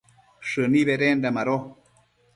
shëni bedenda mado